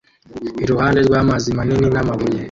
iruhande rw'amazi manini n'amabuye